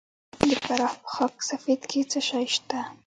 د فراه په خاک سفید کې څه شی شته؟